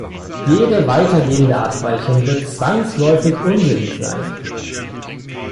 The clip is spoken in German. Jede weitergehende Abweichung wird zwangsläufig unsinnig sein.